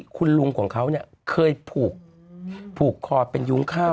คุณลุงของเขาเคยผูกคอเป็นยุ้งข้าว